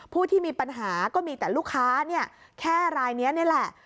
ผู้ที่มีปัญหาก็มีแต่ลูกค้าเนี่ยแค่รายนี้นี่แหละ